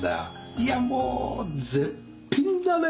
いやもう絶品だね。